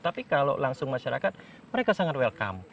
tapi kalau langsung masyarakat mereka sangat welcome